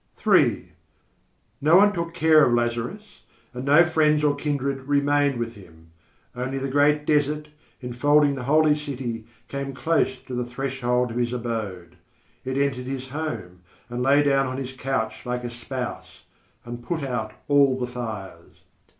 III No one took care of Lazarus, and no friends or kindred remained with him. Only the great desert, enfolding the Holy City, came close to the threshold of his abode. It entered his home, and lay down on his couch like a spouse, and put out all the fires.